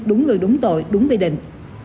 đúng người đúng tội đúng quy định